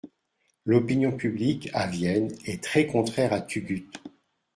L'opinion publique, à Vienne, est très-contraire à Thugut.